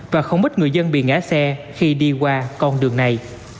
và không ít người dân bị ngã xe khi đi qua con đường này